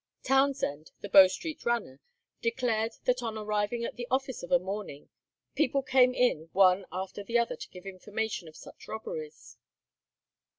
Townshend, the Bow Street runner, declared that on arriving at the office of a morning people came in one after the other to give information of such robberies.